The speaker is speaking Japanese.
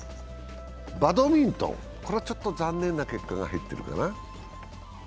バドミントン、これはちょっと残念な結果が入っているかな？